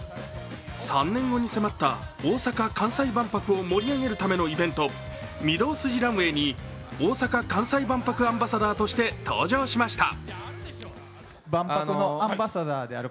３年後に迫った大阪・関西万博を盛り上げるためのイベント御堂筋ランウェイに大阪・関西万博アンバサダーとして登場しました。